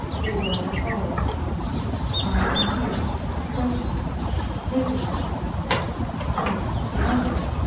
They were as follows: "I am here. Question me. "Leeuwenhoek." I was astounded.